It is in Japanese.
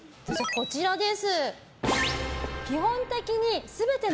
こちらです。